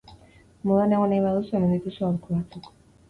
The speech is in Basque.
Modan egon nahi baduzu, hemen dituzu aholku batzuk!